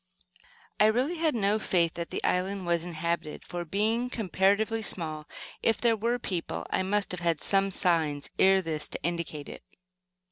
I really had no faith that the island was inhabited, for, being comparatively small, if there were people there I must have met some signs, ere this, to indicate it.